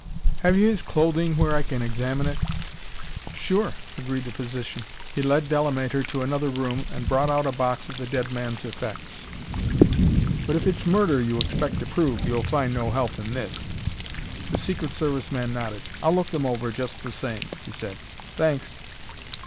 "Have you his clothing where I can examine it?" "Sure," agreed the physician. He led Delamater to another room and brought out a box of the dead man's effects. "But if it's murder you expect to prove you'll find no help in this." The Secret Service man nodded. "I'll look them over, just the same," he said. "Thanks."